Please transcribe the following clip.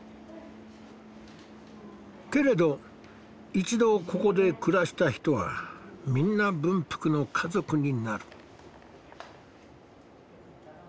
けれど一度ここで暮らした人はみんな文福の家族になる。